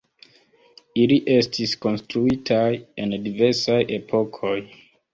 Ili estis konstruitaj en diversaj epokoj.